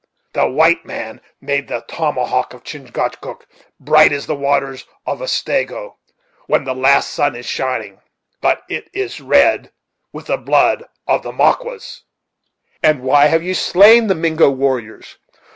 The white man made the tomahawk of Chingachgook bright as the waters of Otsego, when the last sun is shining; but it is red with the blood of the Maquas." "And why have you slain the Mingo warriors?